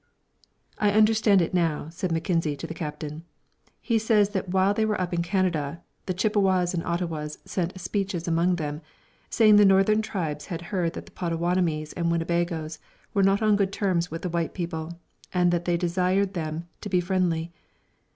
"I understand it now," said Mackenzie to the Captain. "He says that while they were up in Canada, the Chippewas and Ottawas sent speeches among them, saying the northern tribes had heard that the Pottawattomies and Winnebagoes were not upon good terms with the white people and that they desired them to be friendly.